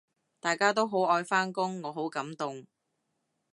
大家都好愛返工，我好感動